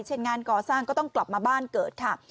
งานก่อสร้างก็ต้องกลับมาบ้านเกิดค่ะ